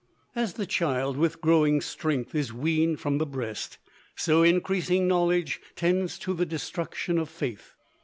As the child, with growing strength, is weaned from the breast, so increasing knowledge tends to the destruction of faith.